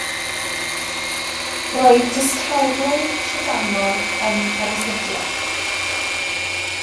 Roedd distawrwydd trydanol yn yr astudiaeth.